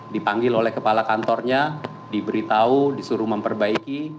dipanggil oleh kepala kantornya diberitahu disuruh memperbaiki